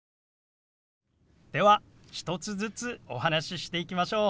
では１つずつお話ししていきましょう。